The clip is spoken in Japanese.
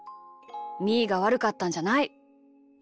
みーがわるかったんじゃない。